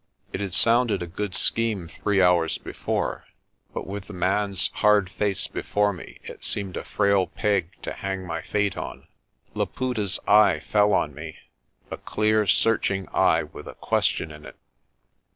It had sounded a good scheme three hours before, but with the man's hard face before me, it seemed a frail peg to hang my fate on. Laputa's eye fell on me, a clear searching eye with a question in it.